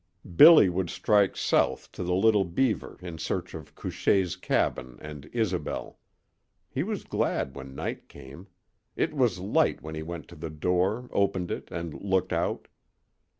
Billy would strike south to the Little Beaver in search of Couchée's cabin and Isobel. He was glad when night came. It was late when he went to the door, opened it, and looked out.